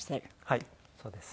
はいそうです。